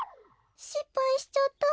しっぱいしちゃった。